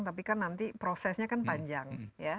tapi nanti prosesnya kan panjang